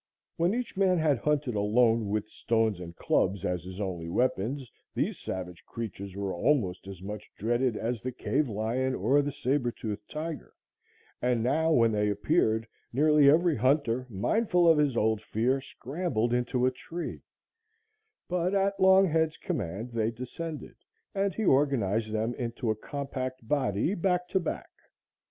When each man had hunted alone with stones and clubs as his only weapons, these savage creatures were almost as much dreaded as the cave lion or the saber tooth tiger, and now when they appeared, nearly every hunter, mindful of his old fear, scrambled into a tree; but at Longhead's command they descended, and he organized them into a compact body, back to back.